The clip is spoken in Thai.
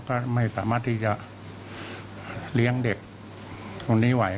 ก็ไม่สามารถที่จะเลี้ยงเด็กคนนี้ไหว